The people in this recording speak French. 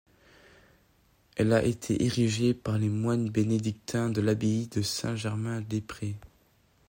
Elle a été érigée par les moines bénédictins de l'abbaye de Saint-Germain-des-Prés.